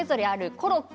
コロッケ！